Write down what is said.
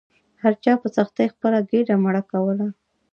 هر چا په سختۍ خپله ګیډه مړه کوله.